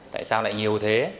tại sao lại nhiều thế